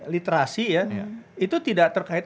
literasi ya itu tidak terkait